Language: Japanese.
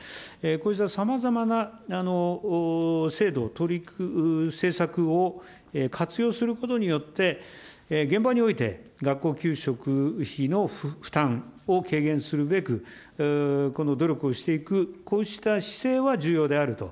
こうしたさまざまな制度を、政策を活用することによって、現場において、学校給食費の負担を軽減するべく、この努力をしていく、こうした姿勢は重要であると、